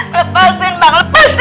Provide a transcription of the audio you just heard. lepasin bang lepasin